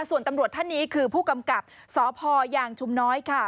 ส่วนตำรวจท่านนี้คือผู้กำกับสพยางชุมน้อยค่ะ